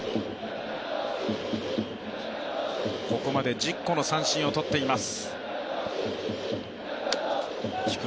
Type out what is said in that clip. ここまで１０個の三振をとっています。